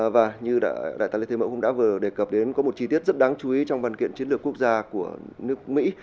và như đại tá lê thế mẫu cũng đã vừa đề cập đến có một chi tiết rất đáng chú ý trong văn kiện chiến lược quốc gia của nước mỹ